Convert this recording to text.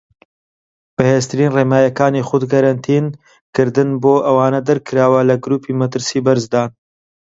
بەهێزترین ڕێنماییەکانی خود کەرەنتین کردن بۆ ئەوانە دەرکراوە کە لە گروپی مەترسی بەرزدان.